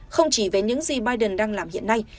không chỉ về những gì biden đang làm hiện nay